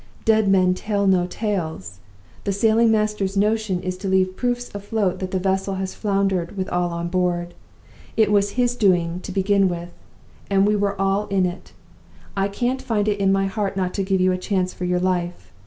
Dead men tell no tales; and the sailing master's notion is to leave proofs afloat that the vessel has foundered with all on board. It was his doing, to begin with, and we were all in it. I can't find it in my heart not to give you a chance for your life.